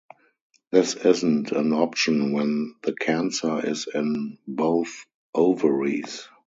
This isn't an option when the cancer is in both ovaries.